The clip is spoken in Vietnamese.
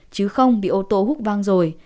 chứ không bị ô tô hút vang rồi